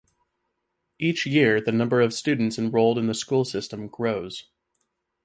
Each year the number of students enrolled in the school system grows.